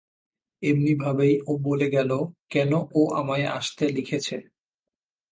এমনিভাবেই ও বলে গেল, কেন ও আমায় আসতে লিখেছে।